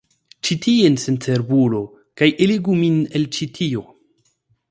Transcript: Ĉi tien, sencerbulo, kaj eligu min el ĉi tio.